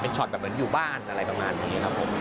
ช็อตแบบเหมือนอยู่บ้านอะไรประมาณนี้ครับผม